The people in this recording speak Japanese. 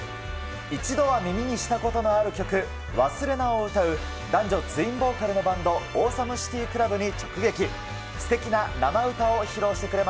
一度は耳にしたことのある曲、勿忘を歌う、男女ツインボーカルのバンド、オーサムシティクラブに直撃。